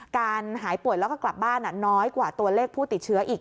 การหายป่วยแล้วก็กลับบ้านน้อยกว่าตัวเลขผู้ติดเชื้ออีก